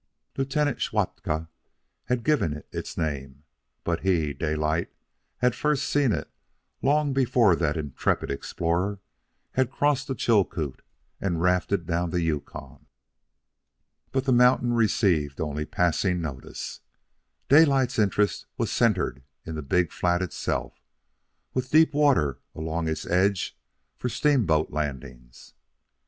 Lieutenant Schwatka had given it its name, but he, Daylight, had first seen it long before that intrepid explorer had crossed the Chilcoot and rafted down the Yukon. But the mountain received only passing notice. Daylight's interest was centered in the big flat itself, with deep water all along its edge for steamboat landings.